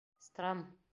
Страм!